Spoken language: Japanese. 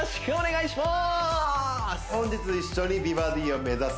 お願いします！